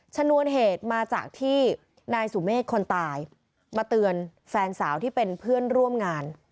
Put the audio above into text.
ชนวนเหตุมาจากที่นายสุเมฆคนตายมาเตือนแฟนสาวที่เป็นเพื่อนร่วมงาน